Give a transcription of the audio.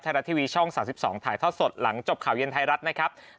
รัฐทีวีช่อง๓๒ถ่ายทอดสดหลังจบข่าวเย็นไทยรัฐนะครับ